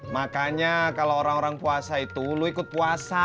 makanya kalau orang orang puasa itu lu ikut puasa